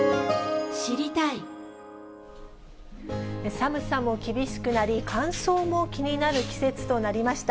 寒さも厳しくなり、乾燥も気になる季節となりました。